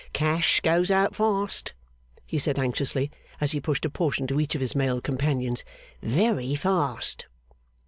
'Cash goes out fast,' he said anxiously, as he pushed a portion to each of his male companions, 'very fast.